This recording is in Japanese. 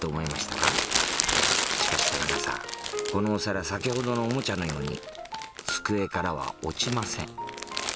しかし田中さんこのお皿先ほどのオモチャのように机からは落ちません。